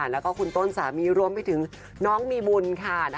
แล้วก็คุณต้นสามีรวมไปถึงน้องมีบุญค่ะ